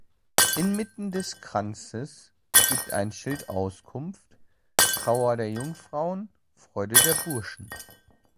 Inmitten des Kranzes gibt ein Schild Auskunft: „Trauer der Jungfrauen, Freude der Burschen“.